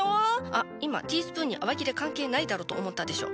あっ今ティースプーンに洗剤いらねえだろと思ったでしょ。